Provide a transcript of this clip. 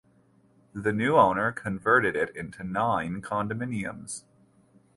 The new owner converted it into nine condominiums.